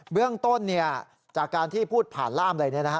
เรื่องต้นเนี่ยจากการที่พูดผ่านล่ามอะไรเนี่ยนะฮะ